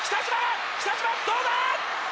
北島、どうだ？